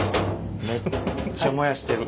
めっちゃ燃やしてる。